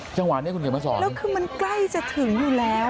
จังหวะนี้คุณเขียนมาสอนแล้วคือมันใกล้จะถึงอยู่แล้ว